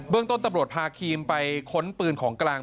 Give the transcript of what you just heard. เบื้องต้นตะบรดพาครีมไปค้นปืนของกราง